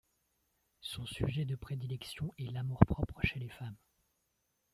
Son sujet de prédilection est l'amour-propre chez les femmes.